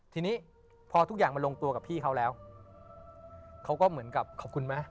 ทีนี้พอทุกอย่างมันลงตัวกับพี่เขาแล้วเขาก็เหมือนกับขอบคุณไหม